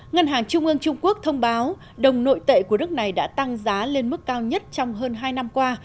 ngân hàng trung ương trung quốc thông báo đồng nội tệ của nước này đã tăng giá lên mức cao nhất trong hơn hai năm qua